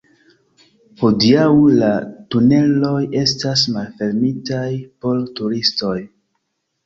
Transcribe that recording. Hodiaŭ, la tuneloj estas malfermitaj por turistoj.